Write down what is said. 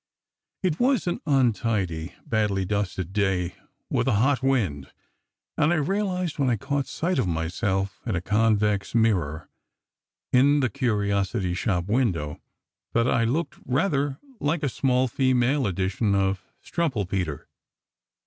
It was an untidy, badly dusted day, with a hot wind; and I realized, when I caught sight of myself in a convex mirror in the curiosity shop window, that I looked rather like a small female edition of Strumpelpeter.